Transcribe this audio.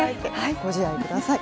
ご自愛ください。